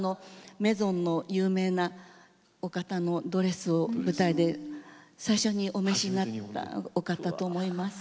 メゾンの有名なお方のドレスを舞台で最初にお召しになったお方と思います。